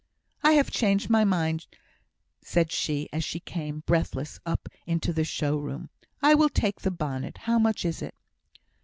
"I have changed my mind," said she, as she came, breathless, up into the show room. "I will take the bonnet. How much is it?"